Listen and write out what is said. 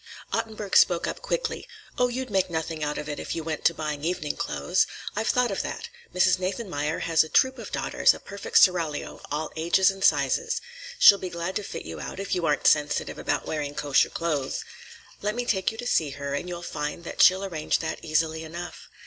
Ottenburg spoke up quickly, "Oh, you'd make nothing out of it if you went to buying evening clothes. I've thought of that. Mrs. Nathanmeyer has a troop of daughters, a perfect seraglio, all ages and sizes. She'll be glad to fit you out, if you aren't sensitive about wearing kosher clothes. Let me take you to see her, and you'll find that she'll arrange that easily enough.